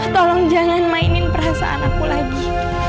tolong jangan mainin perasaan aku lagi